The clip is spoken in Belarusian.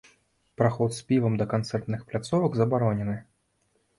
Праход з півам да канцэртных пляцовак забаронены.